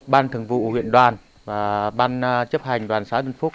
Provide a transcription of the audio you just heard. ban thường vụ huyện đoàn và ban chấp hành đoàn xã tân phúc